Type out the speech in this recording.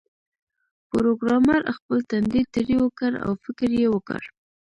پروګرامر خپل تندی ترېو کړ او فکر یې وکړ